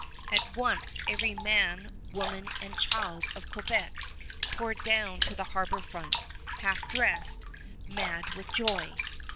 At once every man, woman, and child of Quebec poured down to the harbor front, half dressed, mad with joy.